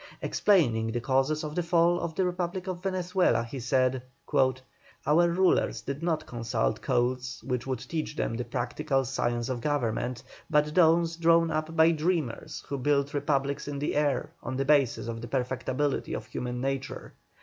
Explaining the causes of the fall of the Republic of Venezuela, he said: "Our rulers did not consult codes which would teach them the practical science of government, but those drawn up by dreamers who built republics in the air on the basis of the perfectability of human nature.